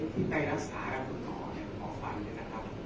ที่ไปรักษาแล้วคุณหอเนี่ยขอความเย็นนะครับ